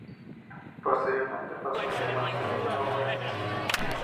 Posteriormente pasó a llamarse "Mae West".